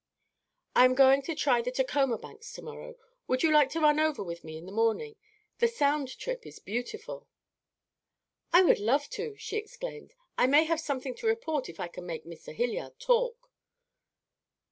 "I am going to try the Tacoma banks to morrow. Would you like to run over with me in the morning. The Sound trip is beautiful." "I would love to," she exclaimed. "I may have something to report if I can make Mr. Hilliard talk."